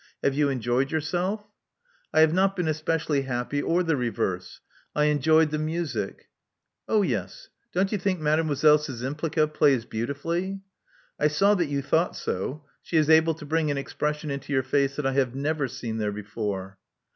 Have you enjoyed yourself?" I have not been especially happy or the reverse. I enjoyed the music." Oh yes. Don't you think Mdlle. Szczympliga plays beautifully?" I saw that you thought so. She is able to bring an expression into your face that I have never seen there before."